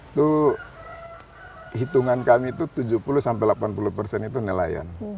itu hitungan kami itu tujuh puluh sampai delapan puluh persen itu nelayan